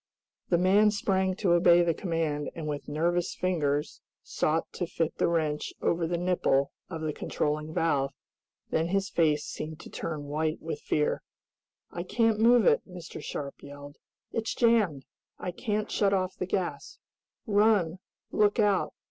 The man sprang to obey the command, and, with nervous fingers, sought to fit the wrench over the nipple of the controlling valve. Then his face seemed to turn white with fear. "I can't move it!" Mr. Sharp yelled. "It's jammed! I can't shut off the gas! Run! Look out!